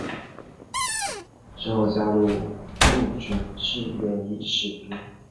之后加入陆军志愿役士兵。